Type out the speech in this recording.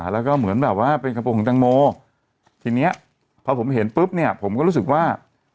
แล้วก็เหมือนแบบว่าเป็นกระโปรงของแตงโมทีเนี้ยพอผมเห็นปุ๊บเนี่ยผมก็รู้สึกว่า